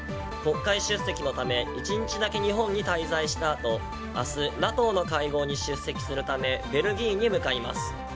国会出席のため１日だけ日本に滞在したあと明日、ＮＡＴＯの会合に出席するためベルギーに向かいます。